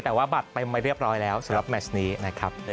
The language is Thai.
แต่ว่าบัตรเต็มไปเรียบร้อยแล้วสำหรับแมชนี้นะครับ